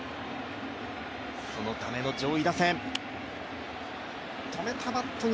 そのための上位打線。